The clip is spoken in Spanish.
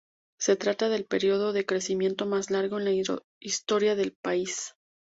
Se trata del período de crecimiento más largo en la historia del país.